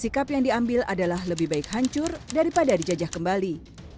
sikap yang diambil adalah lebih baik hancur daripada dijajah kembali